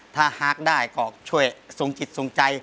ถ้าหากได้ก็ช่วยทรงจิตทรงใจ